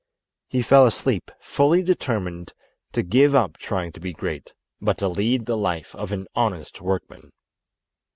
He fell asleep fully determined to give up trying to be great, but to lead the life of an honest workman.